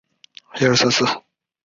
前经纪公司为。